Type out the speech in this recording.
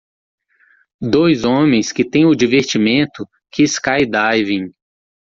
Dois homens que têm o divertimento que skydiving.